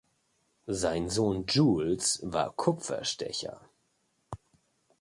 Sein Sohn Jules war Kupferstecher.